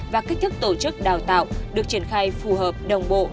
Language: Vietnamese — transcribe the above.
và kích thức tổ chức đào tạo được triển khai phù hợp đồng bộ